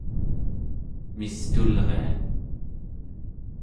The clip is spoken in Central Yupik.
mistulria